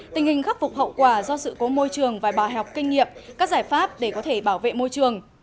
tình hình khắc phục hậu quả do sự cố môi trường và bài học kinh nghiệm các giải pháp để có thể bảo vệ môi trường